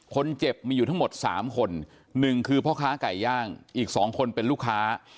คนเจ็บมีอยู่ทั้งหมด๓คนหนึ่งคือพ่อค้าไก่ย่างอีก๒คนเป็นลูกค้า